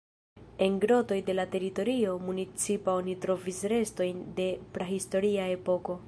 En grotoj de la teritorio municipa oni trovis restojn de prahistoria epoko.